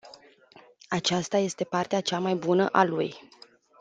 Aceasta este partea cea mai bună a lui.